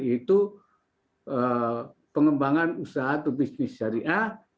yaitu pengembangan usaha atau bisnis syariah